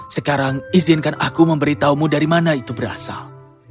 sekarang izinkan aku memberitahumu dari mana itu berasal